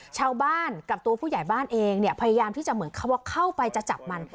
ชาวบ้านกับตัวผู้ใหญ่บ้านเองเนี่ยพยายามที่จะเหมือนเขาว่าเข้าไปจะจับมัน